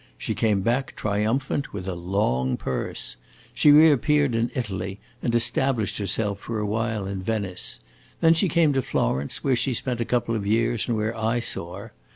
She came back triumphant, with a long purse. She reappeared in Italy, and established herself for a while in Venice. Then she came to Florence, where she spent a couple of years and where I saw her.